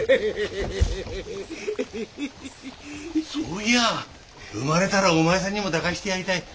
そういや産まれたらお前さんにも抱かしてやりたい。